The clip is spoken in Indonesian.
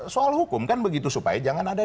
soal hukum kan begitu supaya jangan ada